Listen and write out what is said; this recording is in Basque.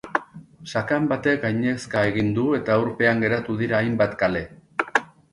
Sakan batek gainezka egin du eta urpean geratu dira hainbat kale.